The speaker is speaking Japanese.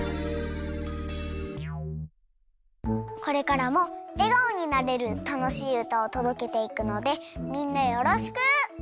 これからもえがおになれるたのしいうたをとどけていくのでみんなよろしく！